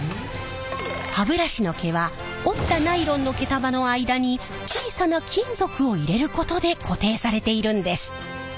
歯ブラシの毛は折ったナイロンの毛束の間に小さな金属を入れることで固定されているんです。